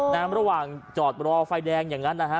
ระหว่างจอดรอไฟแดงอย่างนั้นนะฮะ